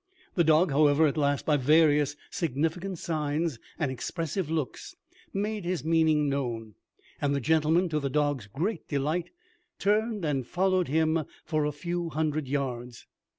The dog, however, at last, by various significant signs and expressive looks, made his meaning known, and the gentleman, to the dog's great delight, turned and followed him for a few hundred yards.